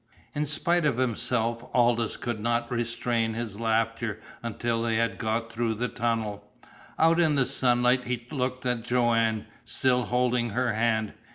In spite of himself Aldous could not restrain his laughter until they had got through the tunnel. Out in the sunlight he looked at Joanne, still holding her hand.